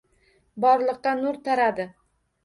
Borliqqa nur taradi.